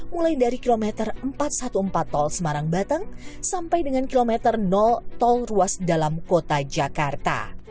mulai dari kilometer empat ratus empat belas tol semarang batang sampai dengan kilometer tol ruas dalam kota jakarta